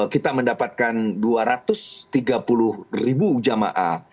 kita mendapatkan dua ratus tiga puluh ribu jamaah